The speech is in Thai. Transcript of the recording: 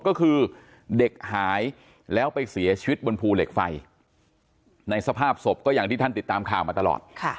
ก็คือเด็กหายแล้วไปเสียชีวิตบนภูเหล็กไฟในสภาพศพก็อย่างที่ท่านติดตามข่าวมาตลอด